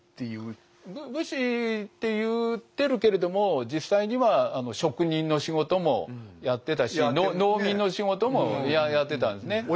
武士って言ってるけれども実際には職人の仕事もやってたし農民の仕事もやってたんですね。